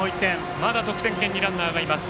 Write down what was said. まだ得点圏にランナーがいます。